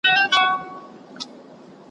پر زکندن دي یادوم جانانه هېر مي نه کې ,